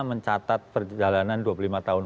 mencatat perjalanan dua puluh lima tahun